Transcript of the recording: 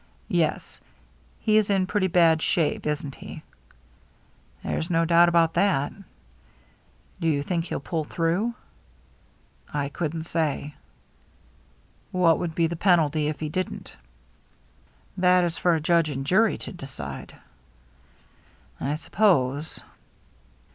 " Yes, he's in pretty bad shape, isn't he ?"" There's no doubt about that." " Do you think he'll pull through ?"" I couldn't say." " What would be the penalty if he didn't ?" "That is for a judge and jury to decide." " I suppose."